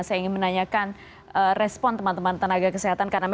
saya ingin menanyakan respon teman teman tenaga kesehatan